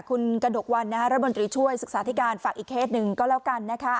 คุณกระดกวันรัฐมนตรีช่วยศึกษาธิการฝากอีกเคสหนึ่งก็แล้วกันนะคะ